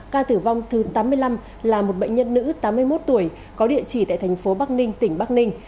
ca tử vong thứ tám mươi năm là một bệnh nhân nữ tám mươi một tuổi có địa chỉ tại thành phố bắc ninh tỉnh bắc ninh